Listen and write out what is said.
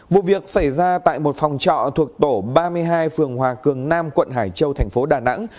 vụ việc xảy ra tại một phòng trọ thuộc tổ ba mươi hai phường hòa cường nam quận hải châu thành phố đà nẵng